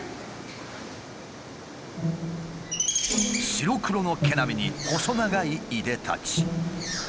白黒の毛並みに細長いいでたち。